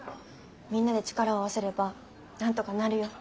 みんなで力を合わせればなんとかなるよ。